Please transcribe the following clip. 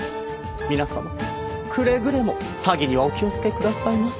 皆様くれぐれも詐欺にはお気をつけくださいませ。